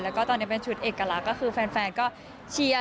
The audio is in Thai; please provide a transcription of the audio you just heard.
แล้วก็ตอนนี้เป็นชุดเอกลักษณ์ก็คือแฟนก็เชียร์